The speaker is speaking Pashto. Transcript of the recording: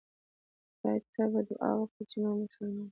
خدای ته به دوعا وکړئ چې مه شرموه.